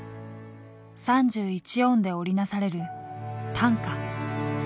３１音で織り成される短歌。